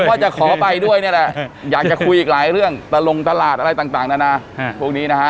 ว่าจะขอไปด้วยนี่แหละอยากจะคุยอีกหลายเรื่องตะลงตลาดอะไรต่างนานาพวกนี้นะฮะ